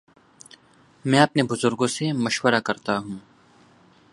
میں اپنے بزرگوں سے مشورہ کرتا ہوں۔